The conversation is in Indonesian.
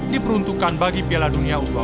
diperuntukkan bagi piala dunia u dua puluh